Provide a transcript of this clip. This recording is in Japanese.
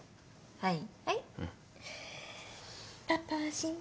はい！